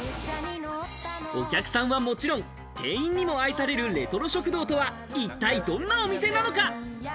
お客さんはもちろん、店員にも愛されるレトロ食堂とは一体どんなお店なのか？